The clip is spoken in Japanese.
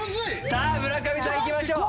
さあ村上さんいきましょう。